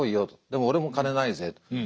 でも俺も金ないぜ。